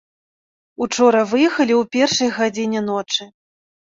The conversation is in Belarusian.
Учора выехалі ў першай гадзіне ночы.